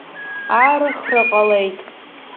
Аарыхра ҟалеит.